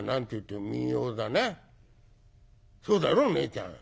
そうだろ？ねえちゃん」。